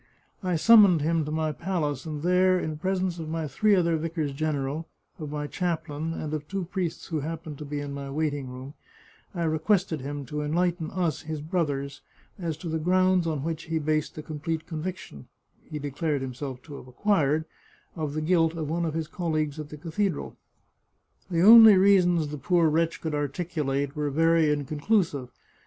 I summoned him to my palace, and there, in presence of my three other vicars general, of my chaplain, and of two priests who happened to be in my waiting room, I requested him to enlighten us, his brothers, as to the grounds on which he based the complete conviction he declared himself to have acquired, of the guilt of one of his colleagues 223 The Chartreuse of Parma at the cathedral. The only reasons the poor wretch could articulate were very inconclusive.